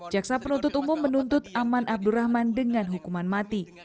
jaksa penuntut umum menuntut aman abdurrahman dengan hukuman mati